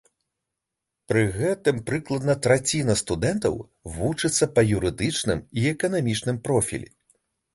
Пры гэтым прыкладна траціна студэнтаў вучыцца па юрыдычным і эканамічным профілі.